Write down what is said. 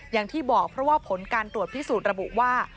อย่างที่บอกเพราะว่าผลการตรวจพิสูจน์ระบุว่า